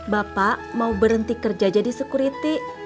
bapak mau berhenti kerja jadi security